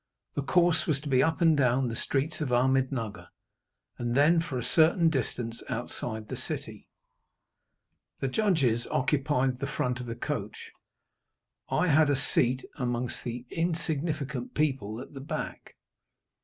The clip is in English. The course was to be up and down the streets of Ahmednugger, and then for a certain distance outside the city. The judges occupied the front of the coach. I had a seat among the insignificant people at the back.